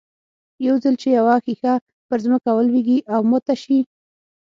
يو ځل چې يوه ښيښه پر ځمکه ولوېږي او ماته شي.